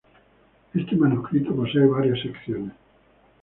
Este manuscrito posee varias secciones.